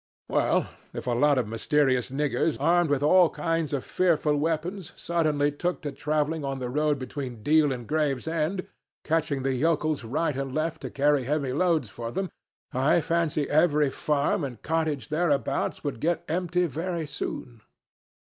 Well, if a lot of mysterious niggers armed with all kinds of fearful weapons suddenly took to traveling on the road between Deal and Gravesend, catching the yokels right and left to carry heavy loads for them, I fancy every farm and cottage thereabouts would get empty very soon.